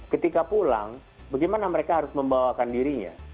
ketika pulang bagaimana mereka harus membawakan dirinya